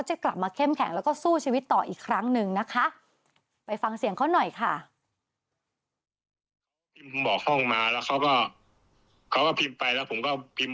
เขาก็พิมพ์ไปแล้วผมก็พิมพ์บอกตามที่เป็นข่าวครับ